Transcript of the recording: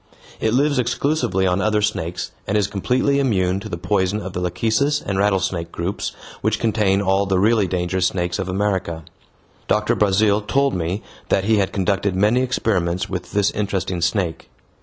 It lives exclusively on other snakes, and is completely immune to the poison of the lachecis and rattlesnake groups, which contain all the really dangerous snakes of America. Doctor Brazil told me that he had conducted many experiments with this interesting snake.